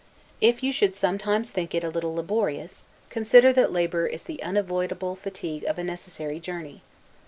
If you should sometimes think it a little laborious, consider that labor is the unavoidable fatigue of a necessary journey.